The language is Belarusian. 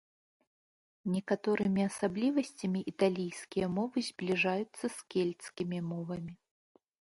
Некаторымі асаблівасцямі італійскія мовы збліжаюцца з кельцкімі мовамі.